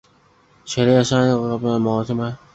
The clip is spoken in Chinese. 狭裂山西乌头为毛茛科乌头属下的一个变种。